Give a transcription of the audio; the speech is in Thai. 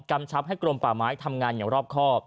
ชับให้กรมป่าไม้ทำงานอย่างรอบครอบ